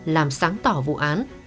làm sáng tỏ vụ án